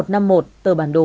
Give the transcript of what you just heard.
tờ bản đồ ba mươi